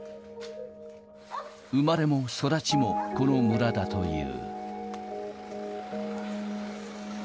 生まれも育ちもこの村だという。